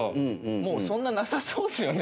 もうそんななさそうですよね。